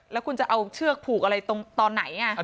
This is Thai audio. แล้วคุณจะเอาเชือกผูกอะไรตรงตอนไหน